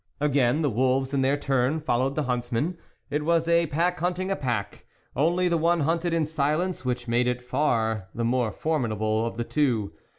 Again, the wolves in their turn fol lowed the huntsmen ; it was a pack hunt ing a pack ; only the one hunted in sil ence, which made it far the more formidable of the two.